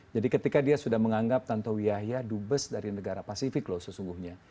jadi ketika dia sudah menganggap tante wiyahya dubes dari negara pasifik loh sesungguhnya